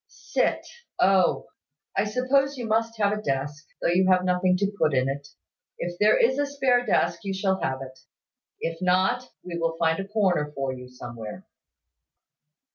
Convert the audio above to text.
"Sit! O! I suppose you must have a desk, though you have nothing to put in it. If there is a spare desk, you shall have it: if not, we will find a corner for you somewhere."